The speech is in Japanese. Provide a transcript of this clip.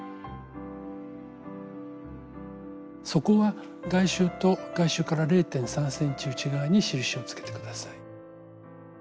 底は外周と外周から０．３ｃｍ内側に印をつけて下さい。